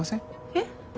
えっ？